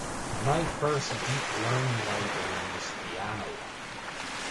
My first Deep Learning library was Theano.